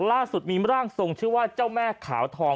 ล่าสุดมีร่างทรงชื่อว่าเจ้าแม่ขาวทอง